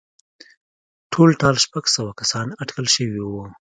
ټولټال شپږ سوه کسان اټکل شوي وو